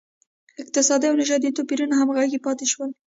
اقتصادي او نژادي توپیرونه همغږي پاتې شول.